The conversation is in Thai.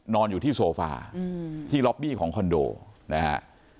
นอนอยู่ที่โซฟาที่ล็อบบี้ของคอนโดนะฮะ